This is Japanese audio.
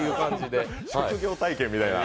職業体験みたいな。